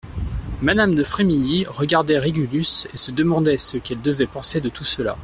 Madame de Frémilly regardait Régulus et se demandait ce qu'elle devait penser de tout cela.